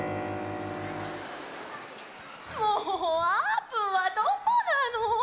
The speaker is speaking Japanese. もうあーぷんはどこなの？